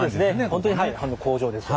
本当に工場です。